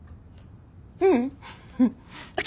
ううん。